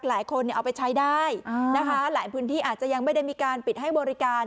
หลายคนเอาไปใช้ได้นะคะหลายพื้นที่อาจจะยังไม่ได้มีการปิดให้บริการ